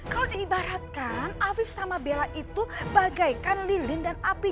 kalau diibaratkan afif sama bella itu bagaikan lilin dan api